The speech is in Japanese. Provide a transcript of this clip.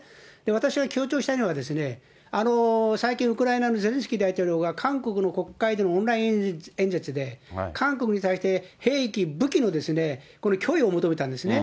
私が強調したいのは、最近、ウクライナのゼレンスキー大統領が、韓国の国会でオンライン演説で、韓国に対して、兵器、武器の供与を求めたんですね。